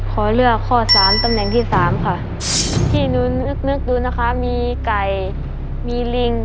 ขอเลือกข้อสามตำแหน่งที่สามค่ะที่หนูนึกนึกดูนะคะมีไก่มีลิง